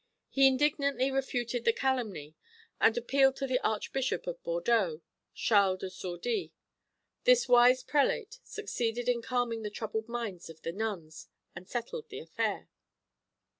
He indignantly refuted the calumny, and appealed to the Archbishop of Bordeaux, Charles de Sourdis. This wise prelate succeeded in calming the troubled minds of the nuns, and settled the affair.